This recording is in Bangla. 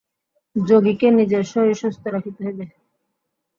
যোগীকে নিজের শরীর সুস্থ রাখিতে হইবে।